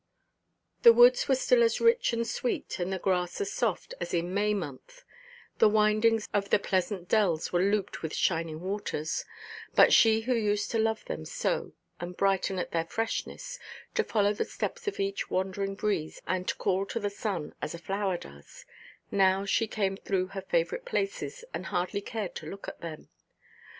The woods were still as rich and sweet, and the grass as soft as in May month; the windings of the pleasant dells were looped with shining waters; but she who used to love them so and brighten at their freshness, to follow the steps of each wandering breeze, and call to the sun as a flower does—now she came through her favourite places, and hardly cared to look at them.